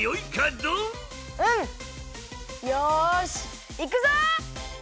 うん！よしいくぞ！